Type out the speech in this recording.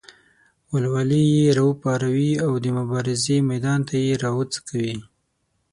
ولولې یې راوپاروي او د مبارزې میدان ته یې راوڅکوي.